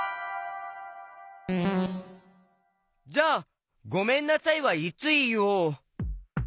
じゃあ「ごめんなさい」はいついおう？